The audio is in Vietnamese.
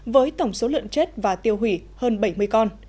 với tổng số lợn chết và tiêu hủy hơn bảy mươi con